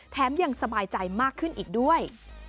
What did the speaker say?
ยังสบายใจมากขึ้นอีกด้วย